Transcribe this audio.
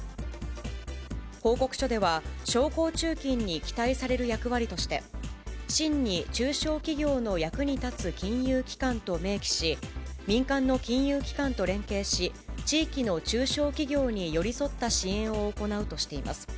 報告書では、商工中金に期待される役割として、真に中小企業の役に立つ金融機関と明記し、民間の金融機関と連携し、地域の中小企業に寄り添った支援を行うとしています。